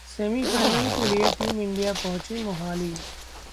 semifinal के लिए team India पहुंची मोहाली